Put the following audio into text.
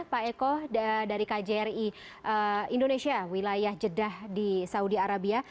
pak eko dari kjri indonesia wilayah jeddah di saudi arabia